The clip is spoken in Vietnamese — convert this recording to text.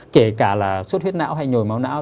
kể cả là suốt huyết não hay nhồi máu não